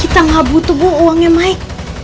kita gak butuh bu uangnya mike